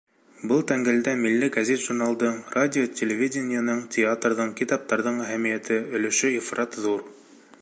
Был тәңгәлдә милли гәзит-журналдың, радио-телевидениеның, театрҙарҙың, китаптарҙың әһәмиәте, өлөшө ифрат ҙур.